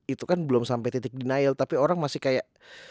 itu kan belum sampai titik denial tapi orang masih kayak